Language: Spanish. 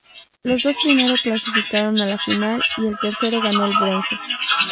Los dos primero clasificaron a la final y el tercero ganó el bronce.